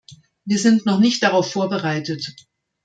Wir sind noch nicht darauf vorbereitet.